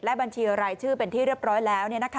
และบัญชีรายชื่อเป็นที่เรียบร้อยแล้ว